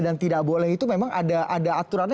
dan tidak boleh itu memang ada aturannya